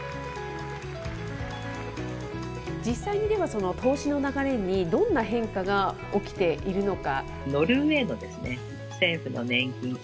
実際にでは、その投資の流れにどんな変化が起きているのか。